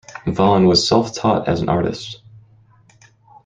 Vaughan was self-taught as an artist.